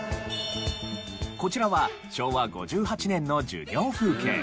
こちらは昭和５８年の授業風景。